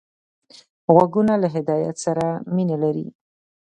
غوږونه له هدایت سره مینه لري